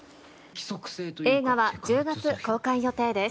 映画は１０月公開予定です。